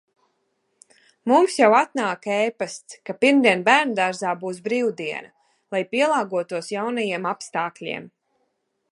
Mums jau atnāk e-pasts, ka pirmdien bērnudārzā būs brīvdiena, lai pielāgotos jaunajiem apstākļiem.